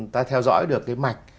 ta theo dõi được cái mạch